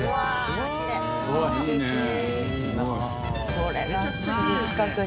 これがすぐ近くに。